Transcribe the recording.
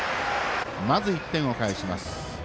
まず１点を返します。